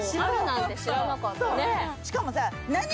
しかもさ。